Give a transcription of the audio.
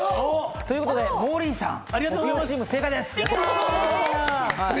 ということでモーリーさん、真麻さんチーム正解です。